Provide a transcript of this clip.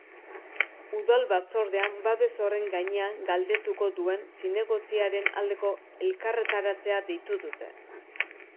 Udal-batzordean babes horren gainean galdetuko duen zinegotziaren aldeko elkarretaratzea deitu dute.